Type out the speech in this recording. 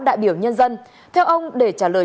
đại biểu nhân dân theo ông để trả lời